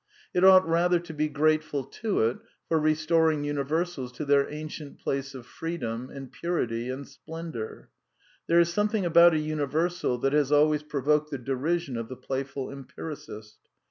It ought rather to be grateful to it for restoring universalsV to their ancient place of freedom and purity and splendour. \ There is something about a universal that has always pro voked the derision of the playful empiricist.